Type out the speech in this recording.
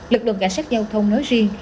lực lượng cảnh sát giao thông nói riêng